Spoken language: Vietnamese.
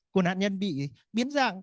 của nạn nhân bị biến dạng